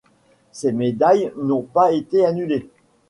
Ses médailles n'ont pas été annulées.